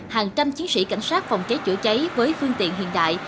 hàng trăm chiến sĩ cảnh sát phòng cháy chữa cháy với phương tiện hiện đại